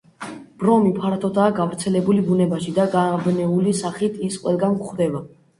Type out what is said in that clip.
ბრომი ფართოდაა გავრცელებული ბუნებაში და გაბნეული სახით ის ყველგან გვხვდება.